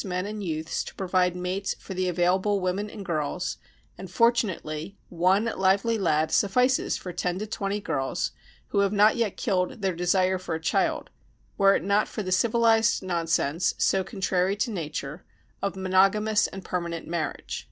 men and youths to provide mates for the available women and girls, and fortunately one lively lad suffices for 10 to 20 girls who have not yet killed their desire for a child, were it not for the civilised nonsense, so contrary to nature, of monogamous and permanent marriage."